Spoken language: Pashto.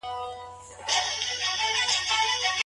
مېرمن بايد هيڅکله زخمي يا په رواني ډول تهديد نه سي.